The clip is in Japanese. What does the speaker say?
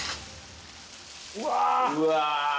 うわ。